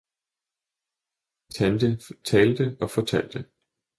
Tante talte og fortalte.